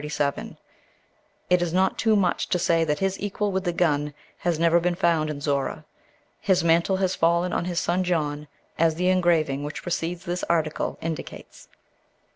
It is not too much to say that his equal with the gun has never been found in Zorra. His mantle has fallen on his son John, as the engraving which precedes this article indicates.